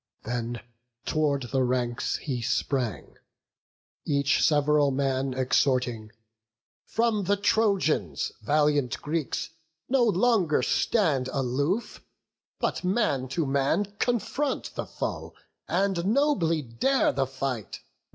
Then tow'rd the ranks he sprang, each sev'ral man Exhorting: "From the Trojans, valiant Greeks, No longer stand aloof; but man to man Confront the foe, and nobly dare the fight.